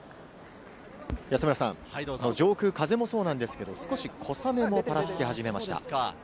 上空の風もそうなんですけれど、少し小雨もぱらつき始めました。